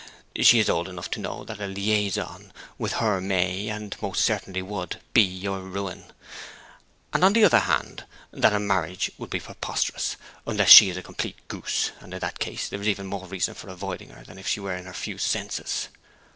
She is old enough to know that a liaison with her may, and almost certainly would, be your ruin; and, on the other hand, that a marriage would be preposterous, unless she is a complete goose, and in that case there is even more reason for avoiding her than if she were in her few senses.